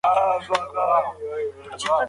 د ټولنیزو کړنو بڼه تشریح کړه.